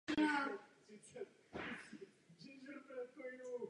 Údajně v zájmu boje proti korupci a organizovanému zločinu.